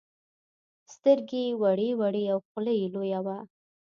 سترگې يې وړې وړې او خوله يې لويه وه.